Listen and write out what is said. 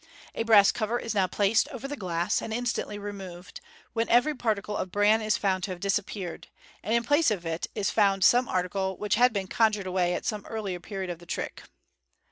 A brass cover is now placed over the glass, and instantly removed, when every particle of bran is found to have disappeared, and in place of it is found some article which had been conjured away at some earlier period of the trick.